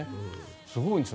すごいんですよ。